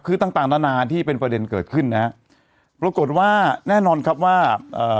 คือต่างต่างนานาที่เป็นประเด็นเกิดขึ้นนะฮะปรากฏว่าแน่นอนครับว่าเอ่อ